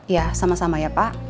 ya sama sama ya pak